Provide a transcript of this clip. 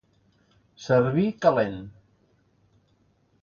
Servir calent.